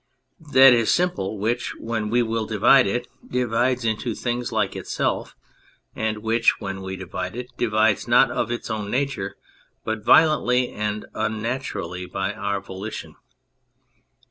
That is simple which, when we will divide it, divides into things like itself, and which, when we divide it, divides, not of its own nature, but violently and unnaturally by our volition.